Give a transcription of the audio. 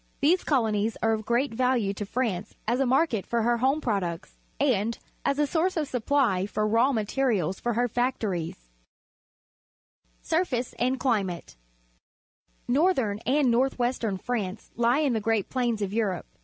These colonies are of great value to France as a market for her home products, and as a source of supply for raw materials for her factories. Shepherds with their Flocks, The" Landes, France Surface and Climate. — Northern and north western France lie in the great plain of Europe.